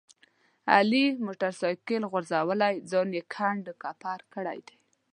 علي موټر سایکل غورځولی ځان یې کنډ کپر کړی دی.